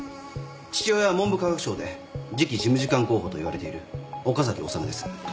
父親は文部科学省で次期事務次官候補といわれている岡崎治です。